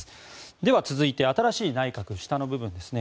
では、続いて新しい内閣下の部分ですね。